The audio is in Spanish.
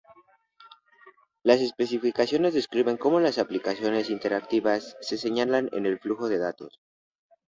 Las especificaciones describen cómo las aplicaciones interactivas se señalan en el flujo de datos.